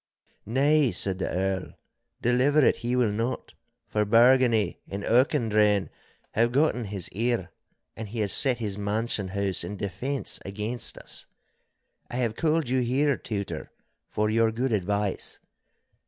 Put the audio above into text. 'Nay,' said the Earl, 'deliver it he will not, for Bargany and Auchendrayne have gotten his ear, and he has set his mansion house in defence against us. I have called you here, Tutor, for your good advice.